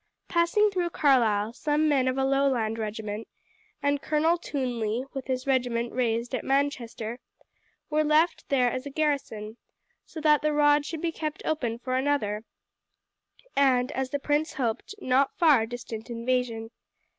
Passing through Carlisle, some men of a Lowland regiment, and Colonel Twonley with his regiment raised at Manchester, were left there as a garrison, so that the road should be kept open for another and, as the prince hoped, not far distant invasion.